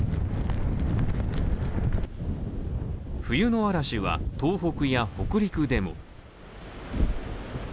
冬の嵐は東北や北陸でも。